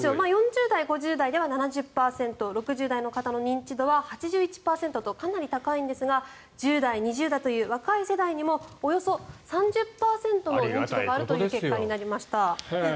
４０代、５０代では７０％６０代の方の認知度は８１％とかなり高いんですが１０代、２０代という若い世代にもおよそ３０％の認知度があるという結果になりました。